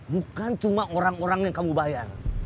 bukan cuma orang orang yang kamu bayar